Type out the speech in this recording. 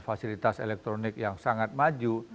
fasilitas elektronik yang sangat maju